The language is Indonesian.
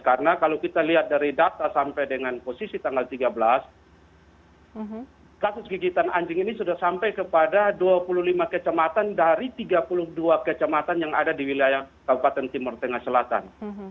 karena kalau kita lihat dari data sampai dengan posisi tanggal tiga belas kasus gigitan anjing ini sudah sampai kepada dua puluh lima kecamatan dari tiga puluh dua kecamatan yang ada di wilayah kabupaten timur tengah selatan